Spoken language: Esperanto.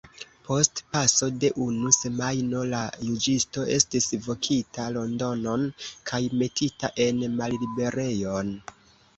Post paso de unu semajno la juĝisto estis vokita Londonon kaj metita en malliberejon.